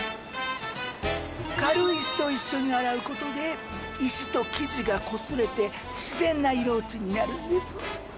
軽石と一緒に洗うことで石と生地がこすれて自然な色落ちになるんです。